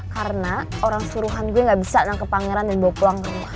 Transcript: karena orang suruhan gue nggak bisa nangkep pangeran dan bawa pulang ke rumah